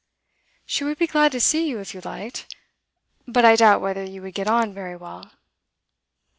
'She would be glad to see you, if you liked. But I doubt whether you would get on very well.